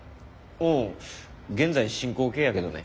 うん現在進行形やけどね。